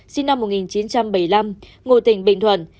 sinh năm một nghìn chín trăm bảy mươi năm ngụ tỉnh bình thuận